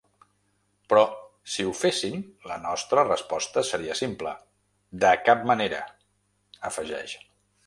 “Però si ho féssim, la nostra resposta seria simple: de cap manera”, afegeix.